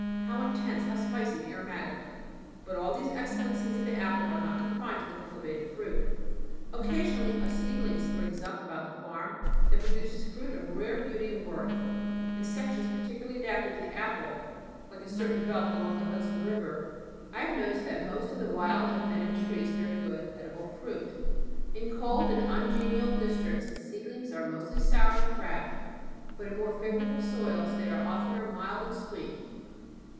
How intense, how spicy and aromatic! But all the excellences of the apple are not confined to the cultivated fruit. Occasionally a seedling springs up about the farm that produces fruit of rare beauty and worth. In sections peculiarly adapted to the apple, like a certain belt along the Hudson River, I have noticed that most of the wild unbidden trees bear good, edible fruit. In cold and ungenial districts, the seedlings are mostly sour and crabbed, but in more favorable soils they are oftener mild and sweet.